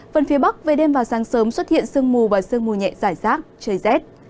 phần phía bắc về đêm và sáng sớm xuất hiện sương mù và sương mù nhẹ giải rác trời rét